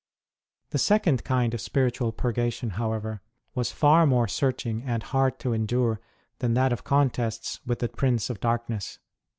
The second kind of spiritual purgation, however, was far more searching and hard to endure than that of contests with the Prince of Darkness.